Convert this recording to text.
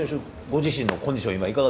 ご自身のコンディシ